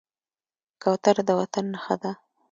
کوتره د وطن نښه ده.